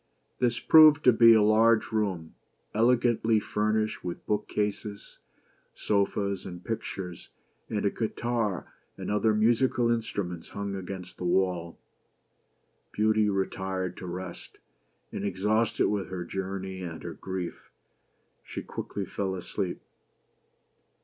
This proved to be a large room, elegantly fur nished with book cases, sofas, and pictures ; and a guitar and other musical instruments hung against the wall. Beauty retired to rest ; and exhausted with her journey and her grief, she quickly fell asleep.